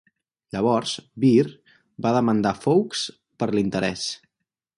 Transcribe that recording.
Llavors, Beer va demandar Foakes per l'interès.